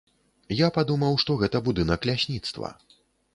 Я падумаў, што гэта будынак лясніцтва.